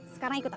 sekarang ikut aku